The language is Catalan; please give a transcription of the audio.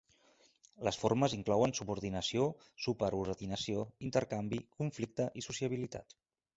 Les formes inclouen subordinació, super ordinació, intercanvi, conflicte i sociabilitat.